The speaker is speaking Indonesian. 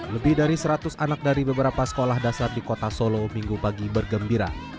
lebih dari seratus anak dari beberapa sekolah dasar di kota solo minggu pagi bergembira